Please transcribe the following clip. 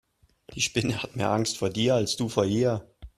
Die Spinne hat mehr Angst vor dir als du vor ihr.